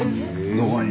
どこに？